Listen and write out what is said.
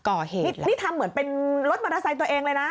ก่อเหตุนี่ทำเหมือนเป็นรถมอเตอร์ไซค์ตัวเองเลยนะ